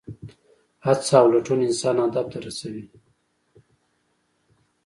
هڅه او لټون انسان هدف ته رسوي.